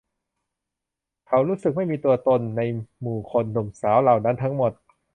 เขารู้สึกไม่มีตัวตนในหมู่คนหนุ่มสาวเหล่านั้นทั้งหมด